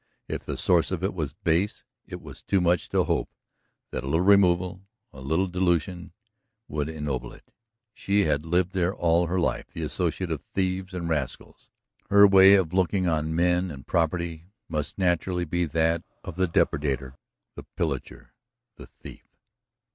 If the source of it was base, it was too much to hope that a little removal, a little dilution, would ennoble it. She had lived there all her life the associate of thieves and rascals; her way of looking on men and property must naturally be that of the depredator, the pillager, and thief.